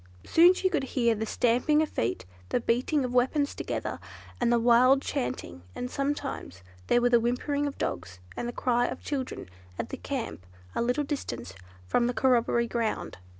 Soon she could hear the stamping of feet, the beating of weapons together, and the wild chanting; and sometimes there were the whimperings of dogs, and the cry of children at the camp a little distance from the corroboree ground.